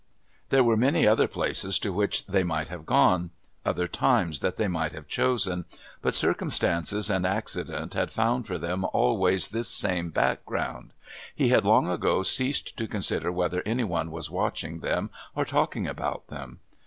There were many other places to which they might have gone, other times that they might have chosen, but circumstances and accident had found for them always this same background. He had long ago ceased to consider whether any one was watching them or talking about them.